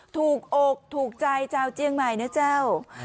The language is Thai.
ถูกอกถูกใจชาวเจียงใหม่นะเจ้า